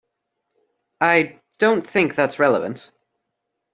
I don't think that's relevant.